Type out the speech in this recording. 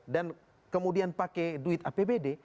dan kemudian pakai duit apbd